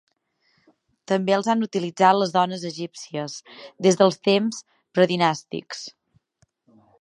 També els han utilitzat les dones egípcies des dels temps predinàstics.